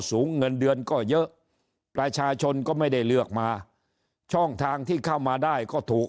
สูงเงินเดือนก็เยอะประชาชนก็ไม่ได้เลือกมาช่องทางที่